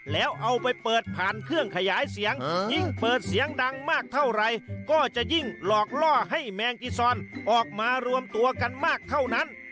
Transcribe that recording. แล้วเอาไปเปิดผ่านเครื่องขยายเสียงยิ่งเปิดเสียงดังมากเท่าไรก็จะยิ่งหลอกล่อให้แมงจีซอนออกมารวมตัวกันมากเท่านั้น